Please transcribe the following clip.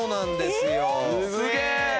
すげえ！